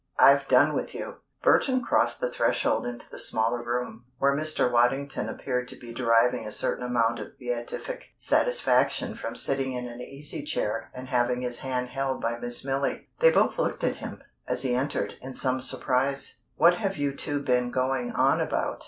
I've done with you." Burton crossed the threshold into the smaller room, where Mr. Waddington appeared to be deriving a certain amount of beatific satisfaction from sitting in an easy chair and having his hand held by Miss Milly. They both looked at him, as he entered, in some surprise. "What have you two been going on about?"